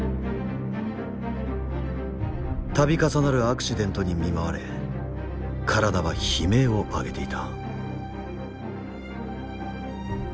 度重なるアクシデントに見舞われ体は悲鳴を上げていた。